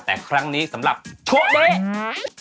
แต่ครั้งนี้สำหรับตัวเน็ต